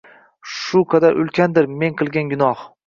Shu qadar ulkandir men qilgan gunoh –